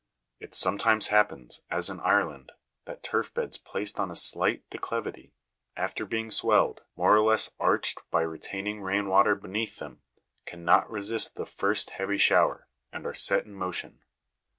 It sometimes happens, as in Ireland, that turf beds placed on a slight declivity, after being swelled, more or less arched by retaining rain water beneath them, cannot resist the first heavy shower, and are set in motion.